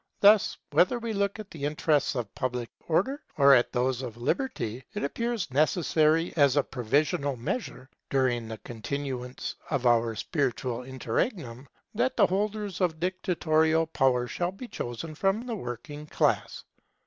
Thus, whether we look at the interests of Public Order, or at those of Liberty, it appears necessary as a provisional measure, during the continuance of our spiritual interregnum, that the holders of dictatorial power shall be chosen from the working class.